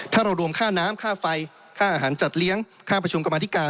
ถ้าเรารวมค่าน้ำค่าไฟค่าอาหารจัดเลี้ยงค่าประชุมกรรมธิการ